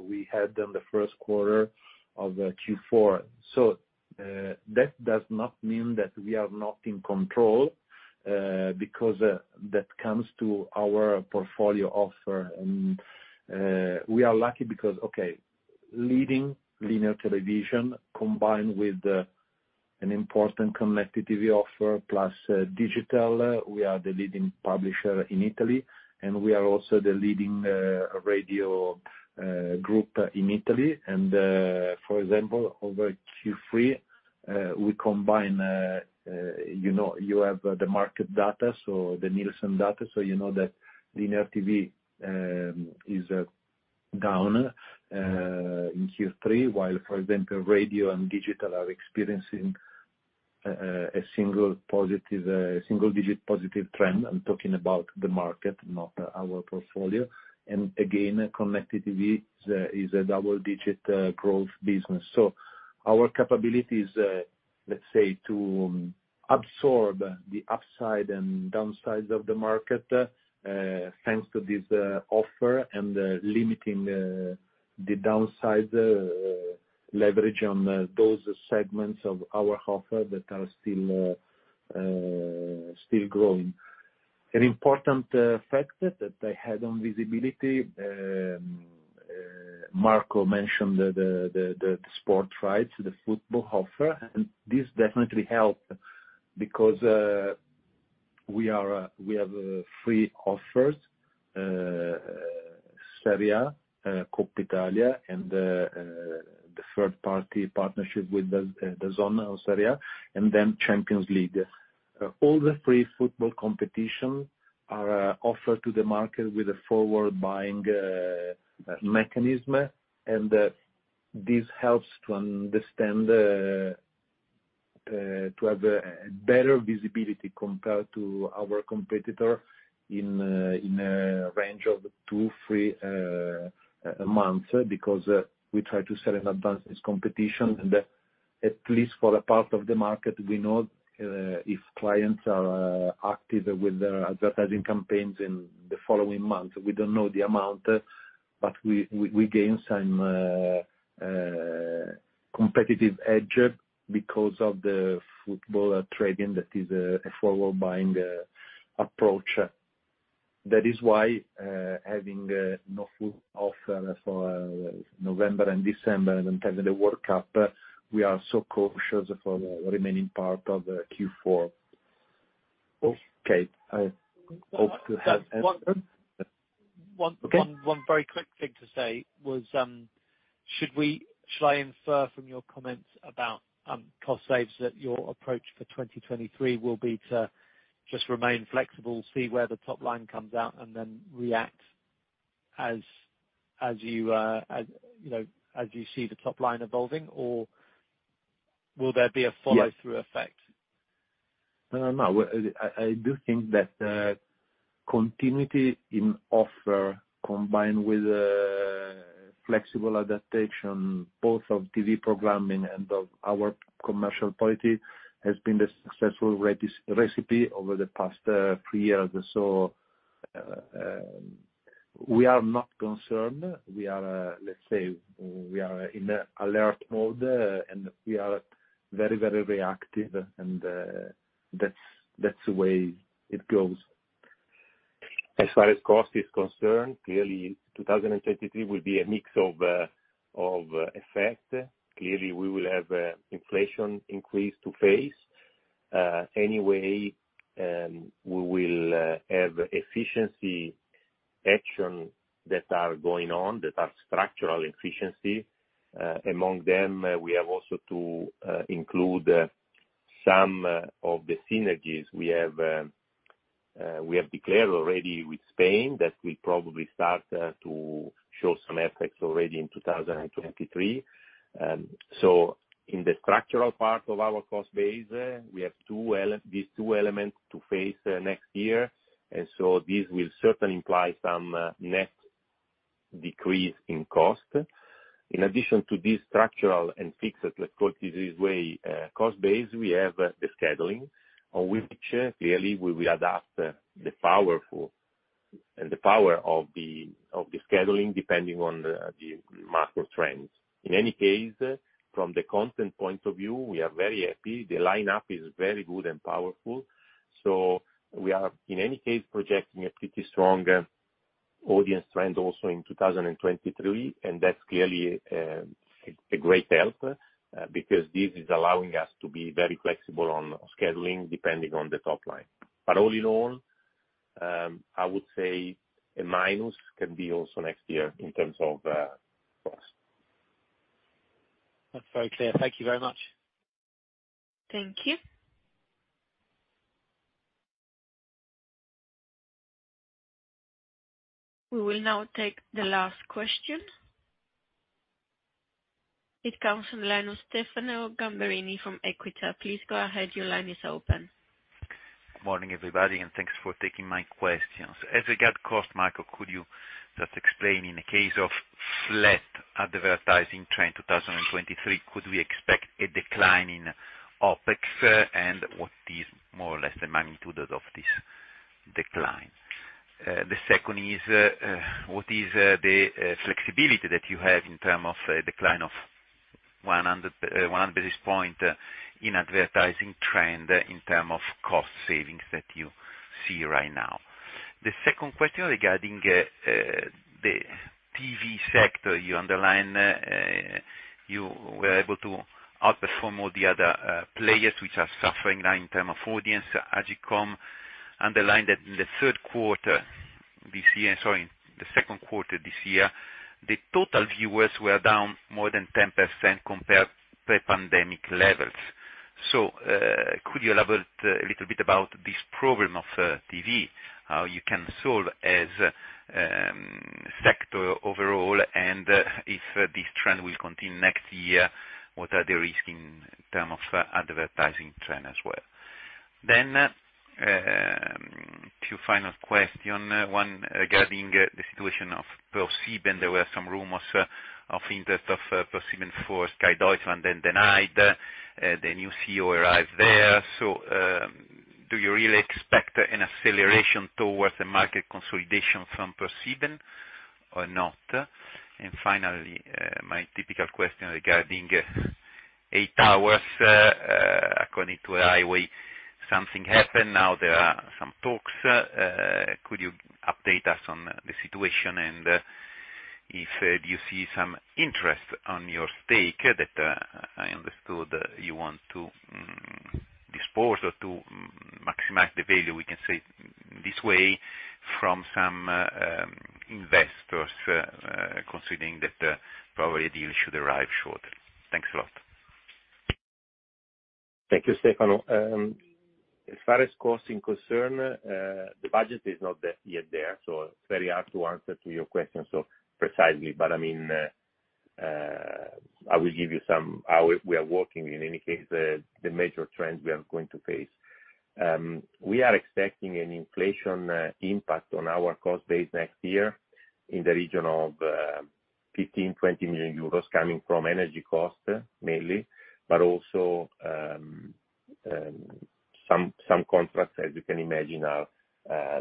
we had on the Q1 of Q4. That does not mean that we are not in control, because that comes to our portfolio offer. We are lucky because, okay, leading linear television combined with an important connected TV offer plus digital, we are the leading publisher in Italy, and we are also the leading radio group in Italy. For example, over Q3, you know, you have the market data, so the Nielsen data, so you know that linear TV is down in Q3 while, for example, radio and digital are experiencing a single digit positive trend. I'm talking about the market, not our portfolio. Again, connected TV is a double digit growth business. Our capability is, let's say, to absorb the upside and downsides of the market, thanks to this offer and limiting the downside leverage on those segments of our offer that are still growing. An important factor that I had on visibility, Marco mentioned the sports rights, the football offer, and this definitely helped because we have free offers, Serie A, Coppa Italia, and the third-party partnership with the Zona DAZN of Serie A and then Champions League. All the free football competitions are offered to the market with a forward buying mechanism, and this helps to understand to have a better visibility compared to our competitor in a range of two, three months, because we try to sell in advance this competition. At least for a part of the market, we know if clients are active with their advertising campaigns in the following month. We don't know the amount, but we gain some competitive edge because of the football trading that is a forward buying approach. That is why having no full offer for November and December in terms of the World Cup, we are so cautious for the remaining part of Q4. Okay, I hope to have answered. One. Okay. One very quick thing to say was, should I infer from your comments about cost saves that your approach for 2023 will be to just remain flexible, see where the top line comes out, and then react as you know as you see the top line evolving or will there be a follow- Yes. through effect? No, no. I do think that continuity in offer, combined with flexible adaptation, both of TV programming and of our commercial quality, has been the successful recipe over the past three years. We are not concerned. We are, let's say, in an alert mode, and we are very, very reactive, and that's the way it goes. As far as cost is concerned, clearly 2023 will be a mix of effects. Clearly, we will have an inflation increase to face. Anyway, we will have efficiency action that are going on, that are structural efficiency. Among them, we have also to include some of the synergies we have declared already with Spain that will probably start to show some effects already in 2023. In the structural part of our cost base, we have these two elements to face next year. This will certainly imply some net decrease in cost. In addition to this structural and fixed, let's put it this way, cost base, we have the scheduling on which clearly we will adapt the power of the scheduling depending on the macro trends. In any case, from the content point of view, we are very happy. The lineup is very good and powerful, so we are in any case projecting a pretty strong audience trend also in 2023, and that's clearly a great help because this is allowing us to be very flexible on scheduling depending on the top line. All in all, I would say a minus can be also next year in terms of cost. That's very clear. Thank you very much. Thank you. We will now take the last question. It comes from the line of Stefano Gamberini from Equita. Please go ahead. Your line is open. Morning, everybody, and thanks for taking my questions. As we go to costs, Marco, could you just explain in the case of flat advertising trend in 2023, could we expect a decline in OpEx and what is more or less the magnitude of this decline? The second is, what is the flexibility that you have in terms of a decline of 100 basis points in advertising trend in terms of cost savings that you see right now? The second question regarding the TV sector. You underline, you were able to outperform all the other players which are suffering right in terms of audience. AGCOM underlined that in the Q2 this year, the total viewers were down more than 10% compared to pre-pandemic levels. Could you elaborate a little bit about this problem of TV, how you can solve it as a sector overall, and if this trend will continue next year, what are the risks in terms of advertising trend as well? Two final questions, one regarding the situation of ProSiebenSat.1. There were some rumors of interest of ProSiebenSat.1 for Sky Deutschland, then denied. The new CEO arrived there. Do you really expect an acceleration towards the market consolidation from ProSiebenSat.1 or not? Finally, my typical question regarding EI Towers, according to something happened, now there are some talks. Could you update us on the situation, and if do you see some interest on your stake that I understood you want to dispose or to maximize the value, we can say this way, from some investors, considering that probably a deal should arrive shortly. Thanks a lot. Thank you, Stefano. As far as costs are concerned, the budget is not yet there, so it's very hard to answer your question so precisely. I mean, I will give you somehow we are working. In any case, the major trends we are going to face. We are expecting an inflationary impact on our cost base next year in the region of 15-20 million euros coming from energy costs mainly, but also some contracts, as you can imagine, are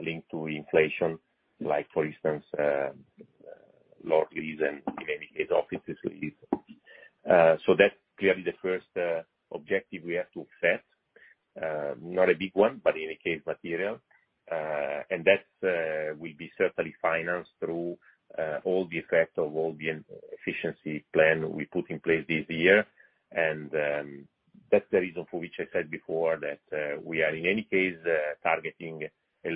linked to inflation, like for instance labour fees and in any case office leases. That's clearly the first objective we have to accept. Not a big one, but in any case material. that will certainly be financed through all the effects of all the efficiency plan we put in place this year. That's the reason for which I said before that we are in any case targeting a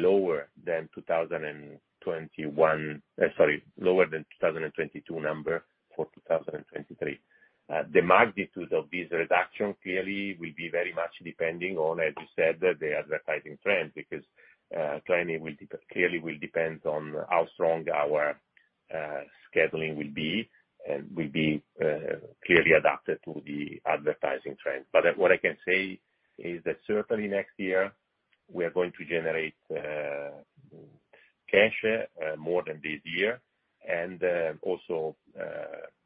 lower than 2022 number for 2023. The magnitude of this reduction clearly will be very much depending on, as you said, the advertising trend, because clearly will depend on how strong our scheduling will be and will be clearly adapted to the advertising trend. What I can say is that certainly next year we are going to generate cash more than this year and also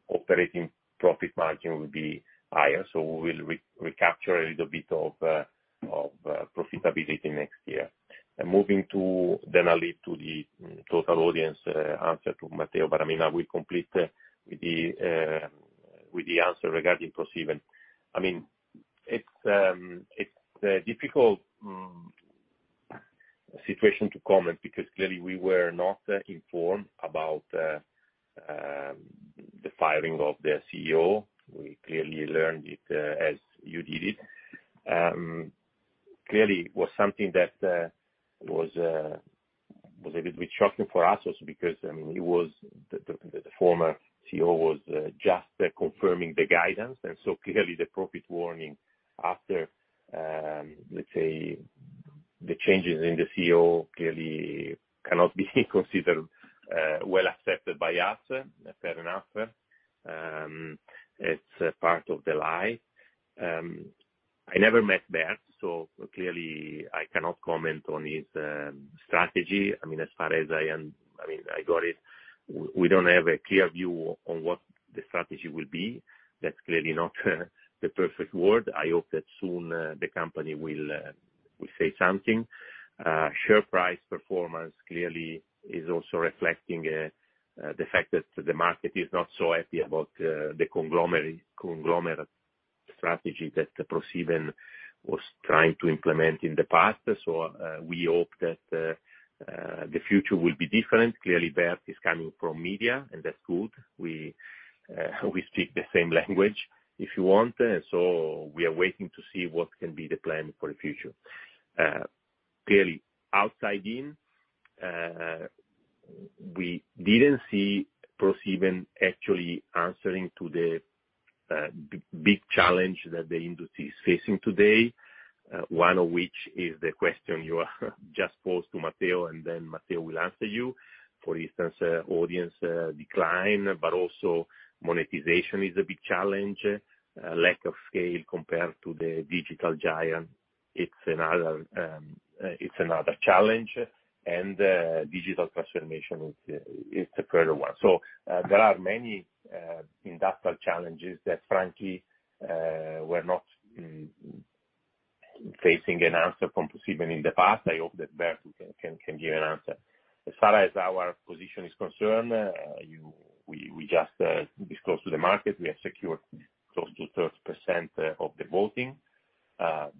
operating profit margin will be higher. We will recapture a little bit of profitability next year. Moving then I'll leave the total audience answer to Matteo, but I mean, I will complete with the answer regarding ProSiebenSat.1. I mean, it's a difficult situation to comment because clearly we were not informed about the firing of their CEO. We clearly learned it as you did. Clearly it was something that was a little bit shocking for us also because I mean, he was the former CEO was just confirming the guidance. Clearly the profit warning after, let's say, the changes in the CEO cannot be considered well accepted by us. Fair enough. It's part of the life. I never met Bert, so clearly I cannot comment on his strategy. I mean, I got it. We don't have a clear view on what the strategy will be. That's clearly not the perfect word. I hope that soon, the company will say something. Share price performance clearly is also reflecting the fact that the market is not so happy about the conglomerate strategy that ProSiebenSat.1 was trying to implement in the past. We hope that the future will be different. Clearly, Bert is coming from media, and that's good. We speak the same language, if you want. We are waiting to see what can be the plan for the future. Clearly outside in, we didn't see ProSieben actually answering to the big challenge that the industry is facing today. One of which is the question you just posed to Matteo, and then Matteo will answer you. For instance, audience decline, but also monetization is a big challenge. Lack of scale compared to the digital giant, it's another challenge. Digital transformation is a further one. There are many industrial challenges that frankly, we're not facing an answer from ProSieben in the past. I hope that Bert can give an answer. As far as our position is concerned, we just disclosed to the market, we have secured close to 30% of the voting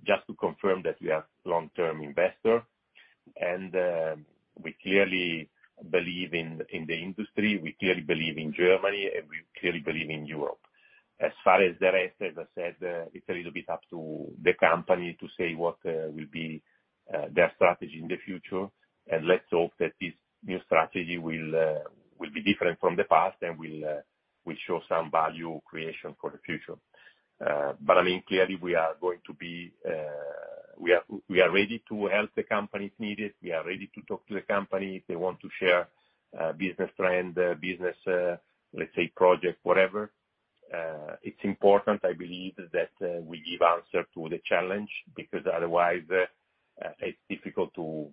just to confirm that we are long-term investor, and we clearly believe in the industry, we clearly believe in Germany, and we clearly believe in Europe. As far as the rest, as I said, it's a little bit up to the company to say what will be their strategy in the future, and let's hope that this new strategy will be different from the past and will generate some value creation for the future. I mean, clearly we are going to be. We are ready to help the company if needed. We are ready to talk to the company if they want to share, business trend, business, let's say project, whatever. It's important, I believe, that we give answer to the challenge because otherwise, it's difficult to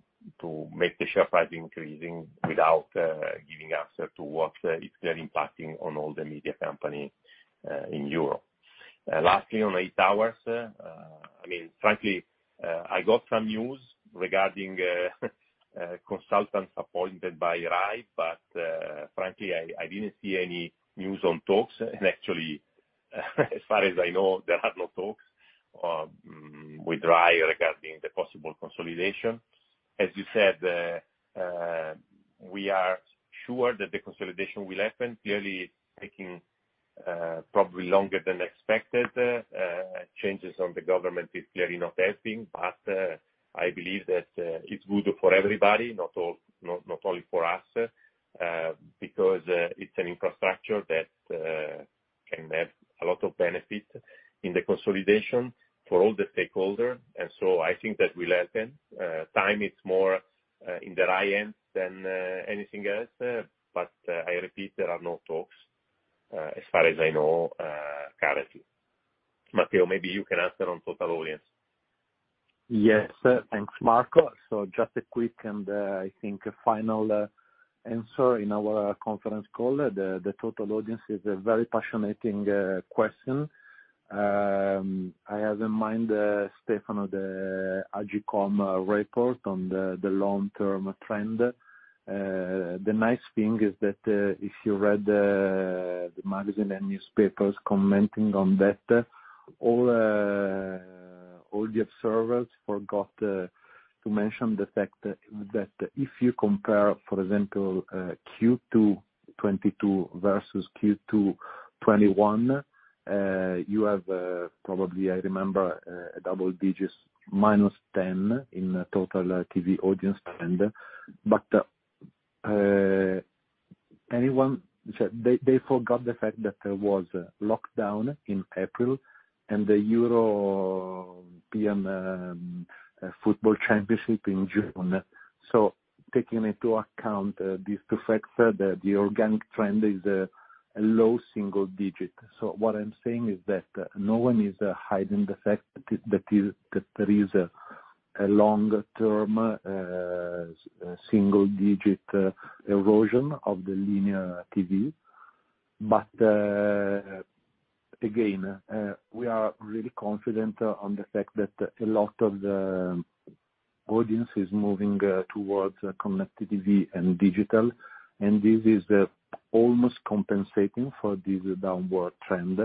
make the share price increasing without giving answer to what is there impacting on all the media company in Europe. Lastly, on EI Towers, I mean, frankly, I got some news regarding consultants appointed by RAI, but frankly, I didn't see any news on talks. Actually, as far as I know, there are no talks with RAI regarding the possible consolidation. As you said, we are sure that the consolidation will happen, clearly taking probably longer than expected. Changes on the government is clearly not helping. I believe that it's good for everybody, not only for us, because it's an infrastructure that can have a lot of benefit in the consolidation for all the stakeholder. I think that will happen. Time is more in their hands than anything else. I repeat, there are no talks, as far as I know, currently. Matteo, maybe you can answer on total audience. Yes. Thanks, Marco. Just a quick and, I think final, answer in our conference call. The total audience is a very fascinating question. I have in mind, Stefano, the AGCOM report on the long-term trend. The nice thing is that, if you read the magazine and newspapers commenting on that, all the observers forgot to mention the fact that if you compare, for example, Q2 2022 versus Q2 2021, you have, probably, I remember, a double-digit -10% in total TV audience trend. They forgot the fact that there was lockdown in April and the European football championship in June. Taking into account these two factors, the organic trend is a low single-digit. What I'm saying is that no one is hiding the fact that there is a long term single digit erosion of the linear TV. Again, we are really confident on the fact that a lot of the audience is moving towards connected TV and digital, and this is almost compensating for this downward trend.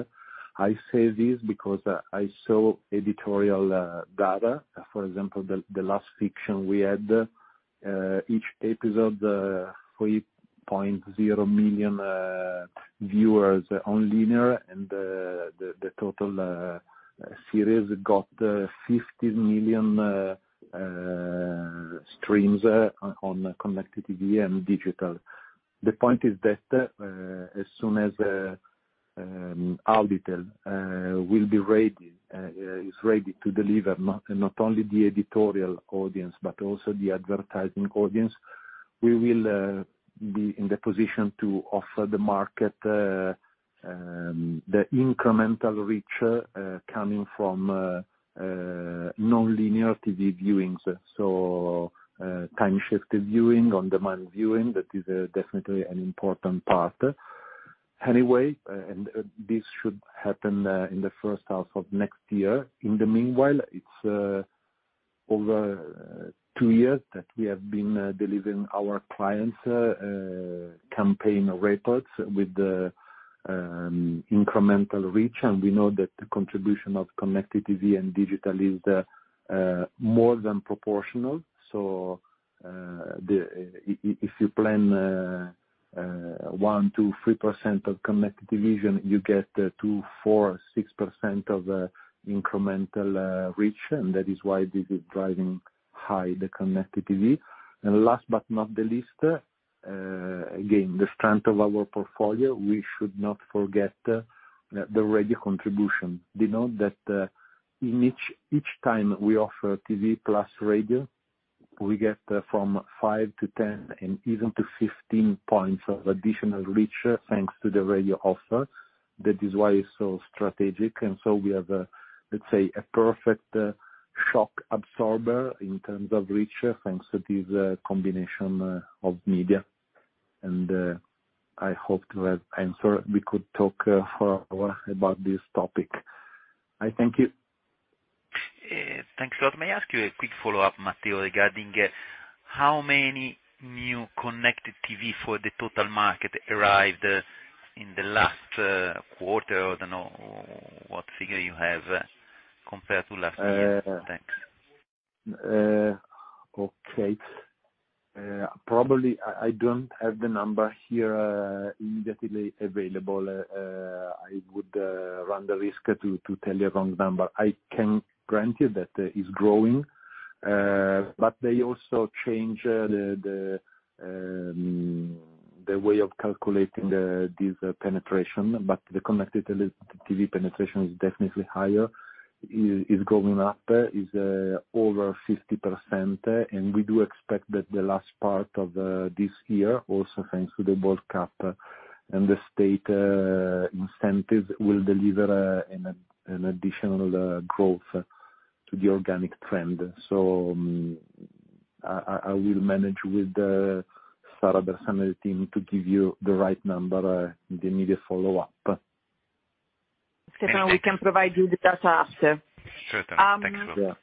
I say this because I saw editorial data. For example, the last fiction we had, each episode, 3.0 million viewers on linear and the total series got 50 million streams on connected TV and digital. The point is that, as soon as Auditel is ready to deliver not only the editorial audience but also the advertising audience, we will be in the position to offer the market the incremental reach coming from non-linear TV viewings. Time-shifted viewing, on-demand viewing, that is definitely an important part. Anyway, this should happen in the first half of next year. In the meanwhile, it's over two years that we have been delivering our clients' campaign reports with the incremental reach. We know that the contribution of connected TV and digital is more than proportional. So, the... If you plan 1%-3% of connected TV vision, you get 2%, 4%, 6% of incremental reach, and that is why this is driving high the connected TV. Last but not the least, again, the strength of our portfolio, we should not forget the radio contribution. We know that in each time we offer TV plus radio, we get from five to 10 and even to 15 points of additional reach thanks to the radio offer. That is why it's so strategic. We have, let's say, a perfect shock absorber in terms of reach, thanks to this combination of media. I hope to have answered. We could talk for an hour about this topic. I thank you. Thanks a lot. May I ask you a quick follow-up, Matteo, regarding how many new connected TV for the total market arrived in the last quarter? I don't know what figure you have compared to last year. Thanks. Okay. Probably I don't have the number here immediately available. I would run the risk to tell you wrong number. I can grant you that it's growing, but they also change the way of calculating this penetration. The connected TV penetration is definitely higher. Is going up. Is over 50%. We do expect that the last part of this year, also thanks to the World Cup and the state incentives, will deliver an additional growth to the organic trend. I will manage with Sara Bersan team to give you the right number in the immediate follow-up. Stefano, we can provide you the data after. Sure, thanks a lot.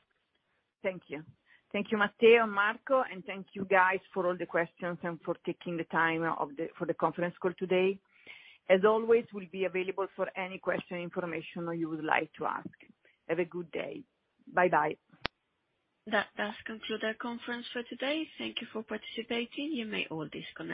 Thank you. Thank you, Matteo, Marco, and thank you guys for all the questions and for taking the time for the conference call today. As always, we'll be available for any question, information you would like to ask. Have a good day. Bye-bye. That does conclude our conference for today. Thank you for participating. You may all disconnect.